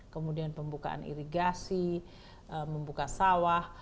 kemudian pembukaan irigasi membuka sawah